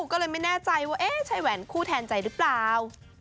ก็เลยไม่แน่ใจใช้แหวนคู่แทนใจรึเปล่า